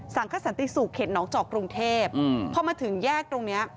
สู่เข็ดน้องจอกกรุงเทพฯพอมาถึงแยกตรงนี้